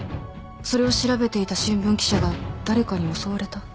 それを調べていた新聞記者が誰かに襲われた。